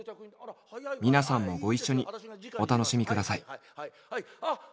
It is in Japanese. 皆さんもご一緒にお楽しみください。